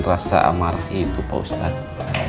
rasa amarah itu pak ustadz